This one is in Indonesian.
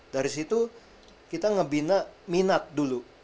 dari situ kita ngebina minat dulu